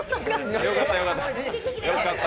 よかったよかった。